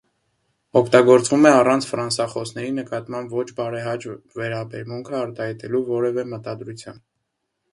Օգտագործվում է առանց ֆրանսախոսների նկատմամբ ոչ բարեհաճ վերաբերմունքը արտահայտելու որևէ մտադրության։